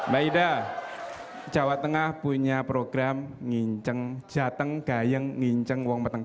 mbak ida jawa tengah punya program nginceng jateng gayeng nginceng uang petang